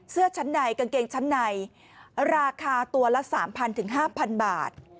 เสื้อชั้นในกางเกงชั้นในราคาตัวละ๓๐๐๕๐๐บาท